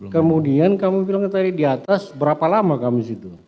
kemudian kamu bilang tadi di atas berapa lama kamu di situ